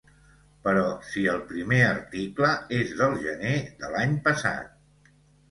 Però si el primer article és del gener de l'any passat!